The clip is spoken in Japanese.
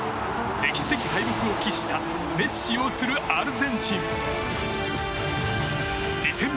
歴史的敗北を喫したメッシ擁するアルゼンチン。